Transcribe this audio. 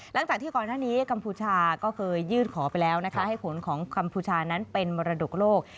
หลังจากที่ก่อนหน้านี้กัมพูชาก็เคยยื่นขอไปแล้วนะคะให้ผลของกัมพูชานั้นเป็นมรดกโลก